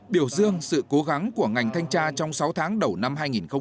biểu dương sự cố gắng của ngành thanh tra trong sáu tháng đầu năm hai nghìn một mươi chín